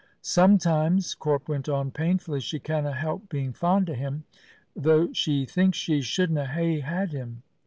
"Sometimes," Corp went on painfully, "she canna help being fond o' him, though she thinks she shouldna hae had him.